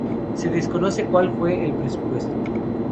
Se desconoce cual fue el presupuesto.